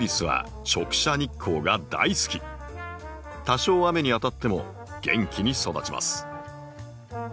多少雨に当たっても元気に育ちます。